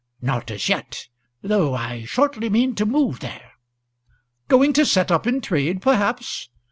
"Not as yet, though I shortly mean to move there." "Going to set up in trade, perhaps?"